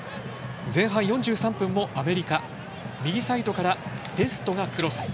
前半４３分もアメリカ右サイドからデストがクロス。